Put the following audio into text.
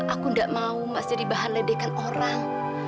aku gak mau mas jadi bahan ledekan orang